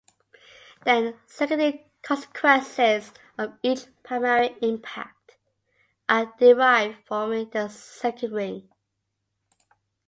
Then secondary consequences of each primary impact are derived forming the second ring.